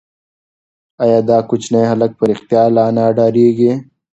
ایا دا کوچنی هلک په رښتیا له انا ډارېږي؟